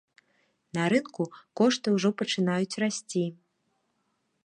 На рынку кошты ўжо пачынаюць расці.